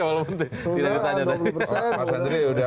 walaupun tidak ditanya tadi